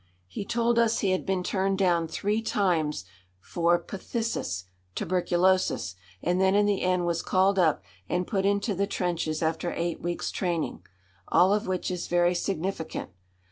He told us he had been turned down three times for phthisis tuberculosis and then in the end was called up and put into the trenches after eight weeks' training. All of which is very significant.